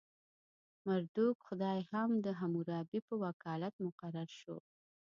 مردوک خدای هم د حموربي په وکالت مقرر شو.